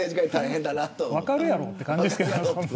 分かるやろって感じですけどね。